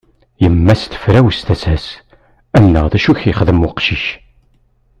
Yemma-s tefrawes tasa-s; annaɣ d acu i ak-yexdem uqcic?